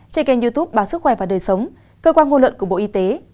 trên kênh youtube báo sức khỏe và đời sống cơ quan ngôn luận của bộ y tế